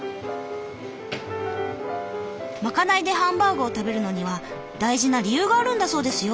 まかないでハンバーグを食べるのには大事な理由があるんだそうですよ。